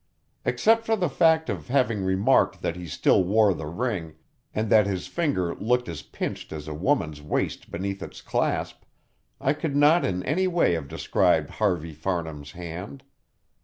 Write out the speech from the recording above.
Except for the fact of having remarked that he still wore the ring, and that his finger looked as pinched as a woman's waist beneath its clasp, I could not in any way have described Harvey Farnham's hand.